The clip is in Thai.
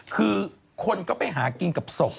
คือคนก็ไปหากินกับศพ